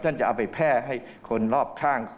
จะเอาไปแพร่ให้คนรอบข้าง